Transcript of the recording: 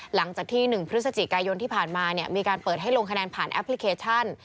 หลังจากที่๑พฤศจิกายนที่ผ่านมามีการเปิดให้ลงคะแนนผ่านแอปพลิเคชัน